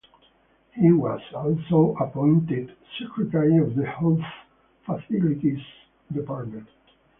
He was also appointed secretary of the "Health facilities" department.